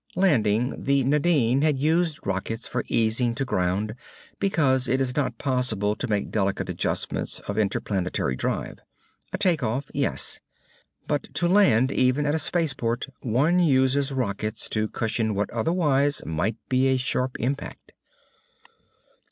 Landing, the Nadine had used rockets for easing to ground because it is not possible to make delicate adjustments of interplanetary drive. A take off, yes. But to land even at a space port one uses rockets to cushion what otherwise might be a sharp impact.